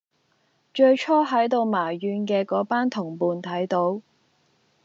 最初喺度埋怨嘅嗰班同伴睇到